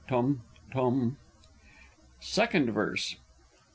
(Tum tum!) _Second Verse.